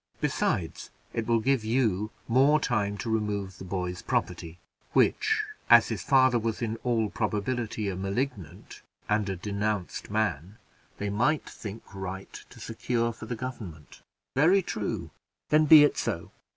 Besides, it will give you more time to remove the boy's property, which, as his father was in all probability a Malignant, and denounced man, they might think right to secure for the government." "Very true; then be it so.